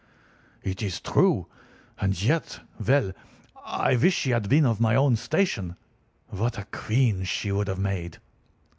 "It is true. And yet—! Well! I wish she had been of my own station! What a queen she would have made!"